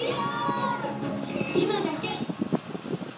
今だけ！